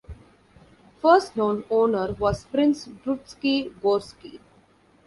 First known owner was prince Drutski-Gorski.